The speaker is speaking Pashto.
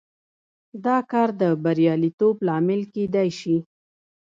دا کار د بریالیتوب لامل کېدای شي.